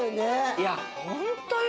いやホントよ。